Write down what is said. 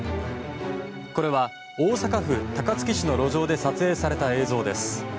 これは大阪府高槻市の路上で撮影された映像です。